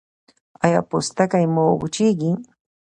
ایا پوستکی مو وچیږي؟